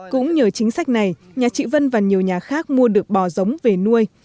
cũng nhờ chính sách này nhà chị vân và nhiều nhà khác mua được bò giống về nuôi